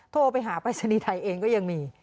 โทรไปหาปรายศนีย์ไทยเองก็ยังมี